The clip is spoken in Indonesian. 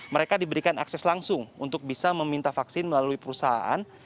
mereka diberikan akses langsung untuk bisa meminta vaksin melalui perusahaan